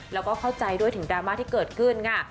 แล้วก็เข้าใจด้วยถึงดราม่าที่เกิดขึ้นค่ะ